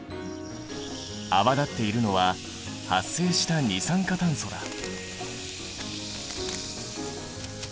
泡立っているのは発生した二酸化炭素だ。